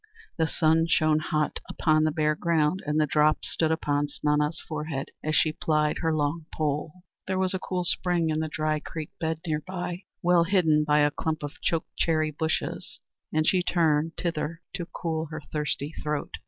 The sun shone hot upon the bare ground, and the drops stood upon Snana's forehead as she plied her long pole. There was a cool spring in the dry creek bed near by, well hidden by a clump of choke cherry bushes, and she turned thither to cool her thirsty throat.